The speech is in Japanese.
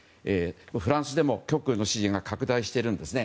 フランスでも極右の支持が拡大しているんですね。